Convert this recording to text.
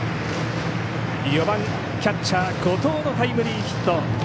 ４番キャッチャー、後藤のタイムリーヒット。